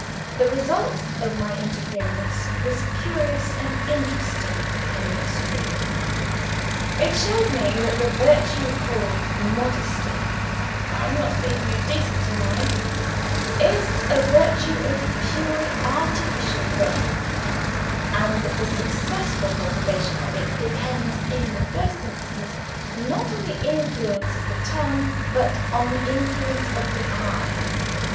The result of my interference was curious and interesting in the extreme. It showed me that the virtue called Modesty (I am not speaking of Decency, mind) is a virtue of purely artificial growth; and that the successful cultivation of it depends in the first instance, not on the influence of the tongue, but on the influence of the eye.